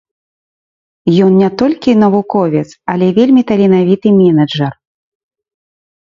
Ён не толькі навуковец, але вельмі таленавіты менеджар.